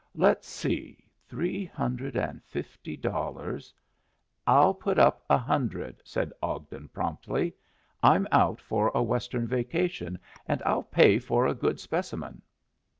Let's see. Three hundred and fifty dollars " "I'll put up a hundred," said Ogden, promptly. "I'm out for a Western vacation, and I'll pay for a good specimen."